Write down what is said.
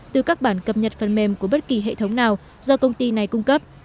từ các bản cập nhật phần mềm của bất kỳ hệ thống nào do công ty này cung cấp